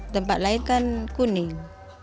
tempat lain kan kuning